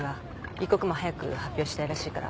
一刻も早く発表したいらしいから。